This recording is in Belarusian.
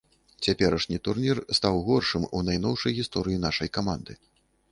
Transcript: Цяперашні турнір стаў горшым у найноўшай гісторыі нашай каманды.